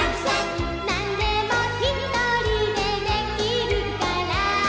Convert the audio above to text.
「何でもひとりでできるから」